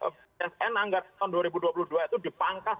asn anggap tahun dua ribu dua puluh dua itu dipangkas